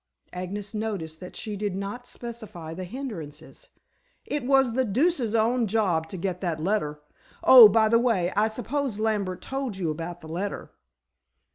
Agnes noticed that she did not specify the hindrances. "It was the deuce's own job to get that letter. Oh, by the way, I suppose Lambert told you about the letter?"